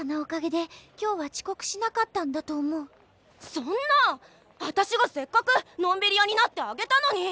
そんな私がせっかくのんびり屋になってあげたのに。